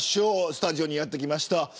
スタジオにやってきました。